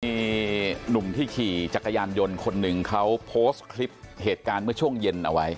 มีหนุ่มที่ขี่จักรยานยนต์คนหนึ่งเขาโพสต์คลิปเหตุการณ์เมื่อช่วงเย็นเอาไว้